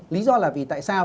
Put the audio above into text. lý do là vì tại sao